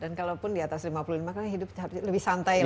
dan kalaupun di atas lima puluh lima kan hidup lebih santai lah